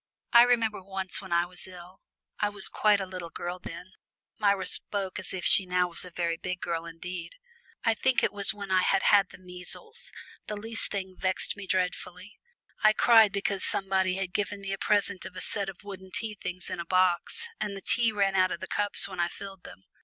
I remember once when I was ill I was quite a little girl then," Myra spoke as if she was now a very big girl indeed! "I think it was when I had had the measles, the least thing vexed me dreadfully. I cried because somebody had given me a present of a set of wooden tea things in a box, and the tea ran out of the cups when I filled them!